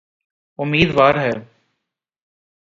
امیدوار ہے۔